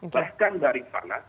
bahkan dari sana